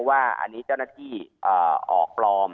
ว่าอันนี้เจ้าหน้าที่ออกปลอม